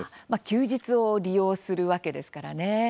休日を利用するわけですからね。